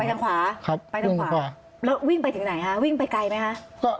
ทางขวาครับไปทางขวาแล้ววิ่งไปถึงไหนฮะวิ่งไปไกลไหมคะ